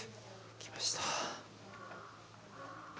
来ましたね。